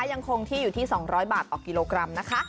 ยังคงที่อยู่ที่๒๐๐บาทต่อกิโลกรัมนะคะ